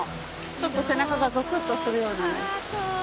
ちょっと背中がゾクっとするようなね。